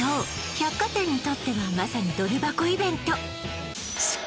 百貨店にとってはまさにドル箱イベント